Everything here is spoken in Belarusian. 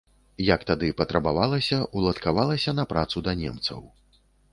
Як тады патрабавалася, уладкавалася на працу да немцаў.